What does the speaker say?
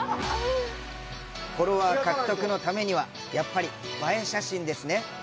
フォロワー獲得のためにはやっぱり映え写真ですね！